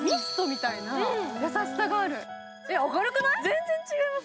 全然違います。